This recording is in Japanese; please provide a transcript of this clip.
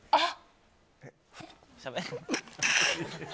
あっ。